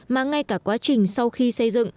mà ngay cả quá trình sau khi xây dựng